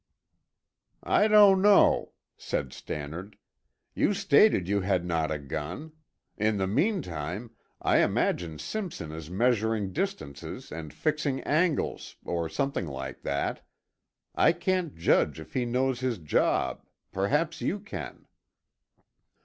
"I don't know," said Stannard. "You stated you had not a gun. In the meantime, I imagine Simpson is measuring distances and fixing angles, or something like that. I can't judge if he knows his job; perhaps you can."